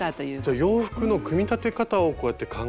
じゃあ洋服の組み立て方をこうやって考えていく仕事を。